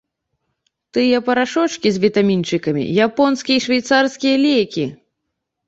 Тыя парашочкі з вітамінчыкамі, японскія і швейцарскія лекі!